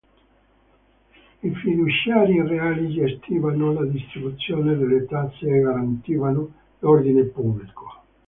I fiduciari reali gestivano la distribuzione delle tasse e garantivano l'ordine pubblico.